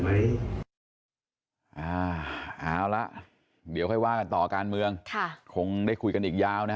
บางวันเจอคนอย่างเก่งก็ต้องชวนเข้ามาว่า